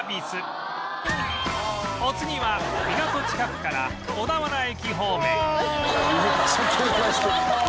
お次は港近くから小田原駅方面アア！